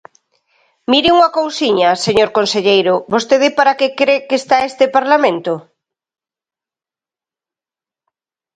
Mire unha cousiña, señor conselleiro, ¿vostede para que cre que está este Parlamento?